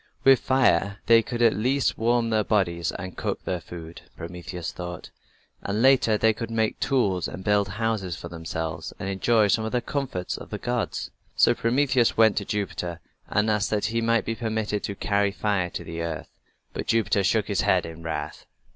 "With fire they could at least warm their bodies and cook their food," Prometheus thought, "and later they could make tools and build houses for themselves and enjoy some of the comforts of the gods." So Prometheus went to Jupiter and asked that he might be permitted to carry fire to the earth. But Jupiter shook his head in wrath.